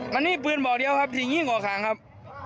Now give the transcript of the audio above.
มันนี่ปืนกับบอกเดียวครับสีนิ่งกว่าขางครับ